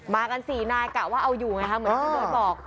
มากันสี่นายกะว่าเอาอยู่ไงค่ะเหมือนที่โดยบอก